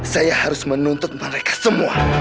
saya harus menuntut mereka semua